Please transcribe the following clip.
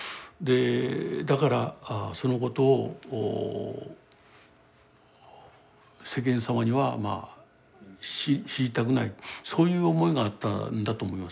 だからそのことを世間様にはまあ知りたくないそういう思いがあったんだと思います。